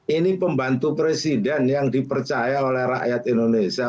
ini pembantu presiden yang dipercaya oleh rakyat indonesia